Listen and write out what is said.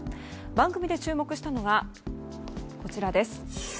番組で注目したのはこちらです。